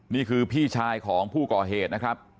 นี่คือพี่ชายของผู้ก่อเหตุนะครับ